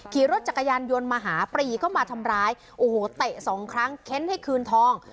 ขี่รถจักรยานยนต์มาหาปรีเข้ามาทำร้ายโอ้โหเตะสองครั้งเค้นให้คืนทอง